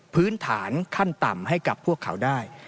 พื้นฐานขั้นต่ำให้กับพวกเขาได้